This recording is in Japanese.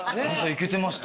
いけてました。